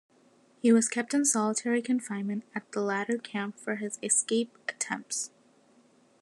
He was kept in solitary confinement at the latter camp for his escape attempts.